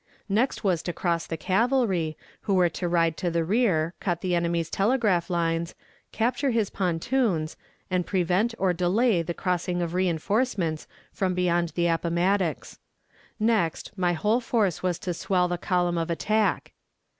"Next was to cross the cavalry, who were to ride to the rear, cut the enemy's telegraph lines, capture his pontoons, and prevent or delay the crossing of reënforcements from beyond the Appomattox. Next, my whole force was to swell the column of attack.